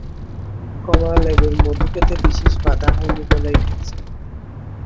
কমলালেবুর মধু পেতে বিশেষ বাধা হয় নি বলেই ঠেকছে।